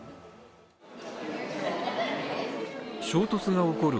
衝突が起こる